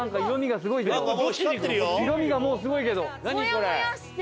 色味がもうすごいけど。